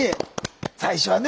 最初はね